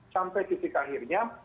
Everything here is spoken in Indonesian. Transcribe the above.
sampai titik akhirnya